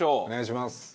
お願いします。